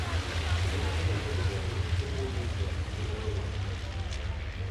The newspapers of the day attributed his death to overwork.